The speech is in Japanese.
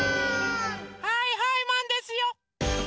はいはいマンですよ！